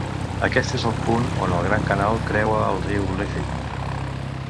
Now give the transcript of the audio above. Aquest és el punt on el Gran Canal creua el riu Liffey.